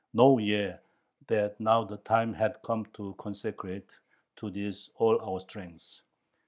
Know ye that now the time hath come to consecrate to this all our strength....